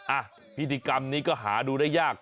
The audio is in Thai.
อ่ะพิธีกรรมนี้ก็หาดูได้ยาก